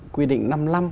quy định năm mươi năm